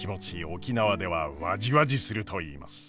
沖縄ではわじわじすると言います。